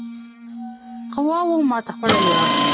قواوو ماته خوړلې وه.